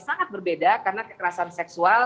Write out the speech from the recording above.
sangat berbeda karena kekerasan seksual